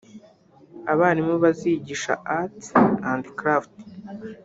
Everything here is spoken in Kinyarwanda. Abarimu bazigisha Arts and craft (